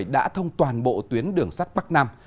đã thông toàn bộ tuyến đường sắt bắc nam